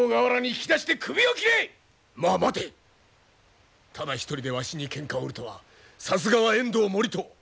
まあ待てただ一人でわしにケンカを売るとはさすがは遠藤盛遠。